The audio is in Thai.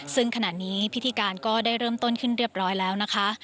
ซึ่งขณะนี้พิธีการก็ได้เริ่มต้นขึ้นเรียบร้อยแล้วนะคะ